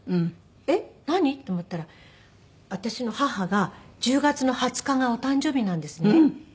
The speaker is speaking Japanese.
えっ何？と思ったら私の母が１０月の２０日がお誕生日なんですね。